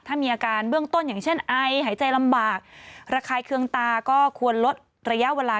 ถ้ามีอาการเบื้องต้นอย่างเช่นไอหายใจลำบากระคายเคืองตาก็ควรลดระยะเวลา